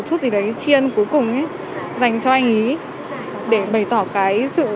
một chút gì đấy tri ân cuối cùng ấy dành cho anh ấy để bày tỏ cái sự